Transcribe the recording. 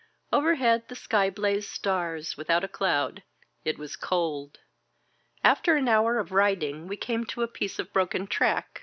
Overhead the sky blazed stars, without a cloud. It was cold. After an hour of riding we came to a piece of broken track.